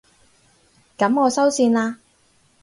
噉我收線喇